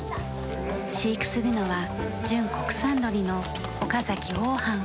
飼育するのは純国産鶏の「岡崎おうはん」。